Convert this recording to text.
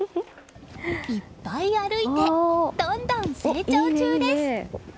いっぱい歩いてどんどん成長中です！